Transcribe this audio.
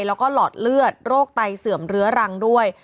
แล้วก็หลอดเลือดโรคไตเสื่อมเรื้อรังด้วย